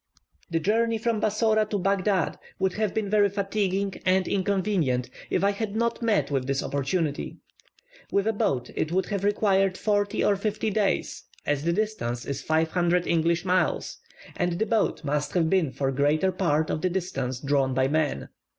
The journey from Bassora to Baghdad would have been very fatiguing and inconvenient if I had not met with this opportunity. With a boat it would have required forty or fifty days, as the distance is 500 English miles, and the boat must have been for greater part of the distance drawn by men.